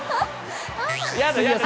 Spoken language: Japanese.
やだやだ！